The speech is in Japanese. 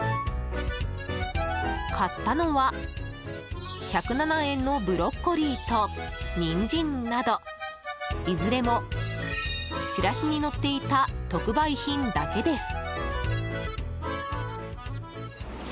買ったのは１０７円のブロッコリーとニンジンなどいずれもチラシに載っていた特売品だけです。